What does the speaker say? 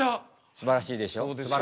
すばらしいでしょ。